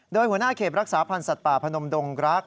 โดยหัวหน้าเขตรักษาพันธ์สัตว์ป่าพนมดงรัก